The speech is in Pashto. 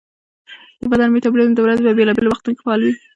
د بدن میټابولیزم د ورځې په بېلابېلو وختونو کې فعال وي.